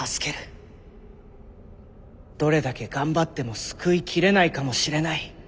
どれだけ頑張っても救い切れないかもしれない。